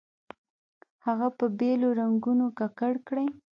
هغه په بېلو رنګونو ککړ کړئ.